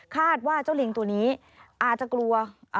ว่าเจ้าลิงตัวนี้อาจจะกลัว